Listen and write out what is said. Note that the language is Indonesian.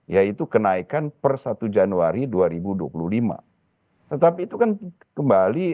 yaitu kenaikan per satu januari dua ribu dua puluh lima